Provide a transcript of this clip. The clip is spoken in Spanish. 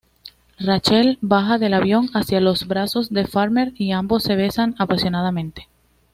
Rachel baja del avión hacia los brazos de Farmer y ambos se besan apasionadamente.